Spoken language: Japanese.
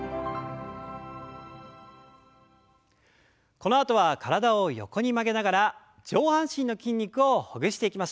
このあとは体を横に曲げながら上半身の筋肉をほぐしていきましょう。